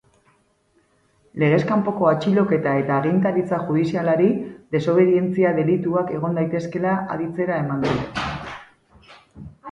Legez kanpoko atxiloketa eta agintaritza judizialari desobedientzia delituak egon daitezkeela aditzera eman du.